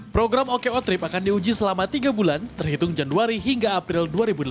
program oko trip akan diuji selama tiga bulan terhitung januari hingga april dua ribu delapan belas